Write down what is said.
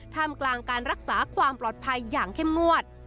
ท่ามกลางการรักษาความปลอดภัยอย่างเข้มงวด